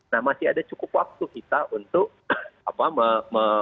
nah masih ada cukup waktu kita untuk apa